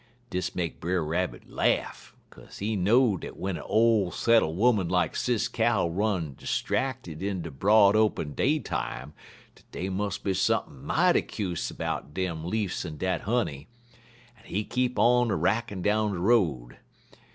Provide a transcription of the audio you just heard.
Dis make Brer Rabbit laff, kaze he know dat w'en a ole settle' 'oman like Sis Cow run 'stracted in de broad open day time, dat dey mus' be sump'n' mighty kuse 'bout dem leafs en dat honey, en he keep on a rackin' down de road.